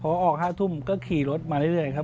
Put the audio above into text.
พอออก๕ทุ่มก็ขี่รถมาเรื่อยครับ